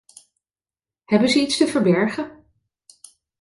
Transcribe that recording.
Hebben zij iets te verbergen?